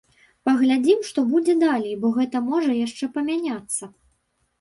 Паглядзім, што будзе далей, бо гэта можа яшчэ памяняцца.